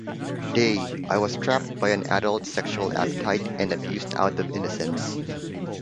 Day, I was trapped by an adult's sexual appetite and abused out of innocence.